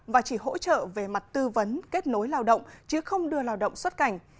và chỉ hỗ trợ về mặt tư vấn kết nối lao động chứ không đưa lao động xuất cảnh